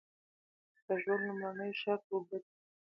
د ژوند لومړنی شرط اوبه دي.